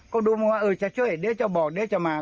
ก็ดูมึงว่าเออจะช่วยเดี๋ยวจะบอกเดี๋ยวจะมา